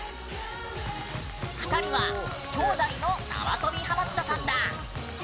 ２人は、兄弟のなわとびハマったさんだ。